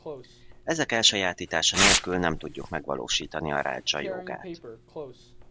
Ezek elsajátítása nélkül nem tudjuk megvalósítani a rádzsa jógát.